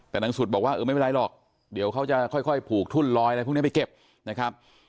แต่นางสุดบอกว่าเออไม่เป็นไรหรอกเดี๋ยวเขาจะค่อยผูกทุ่นลอยอะไรพวกนี้ไปเก็บนะครับ